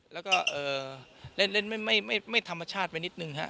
แล้วก็เล่นไม่ธรรมชาติไปนิดนึงฮะ